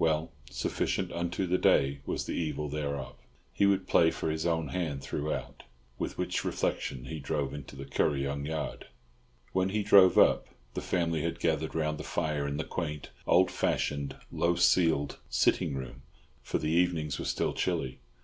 Well, sufficient unto the day was the evil thereof. He would play for his own hand throughout. With which reflection he drove into the Kuryong yard. When he drove up, the family had gathered round the fire in the quaint, old fashioned, low ceiled sitting room; for the evenings were still chilly.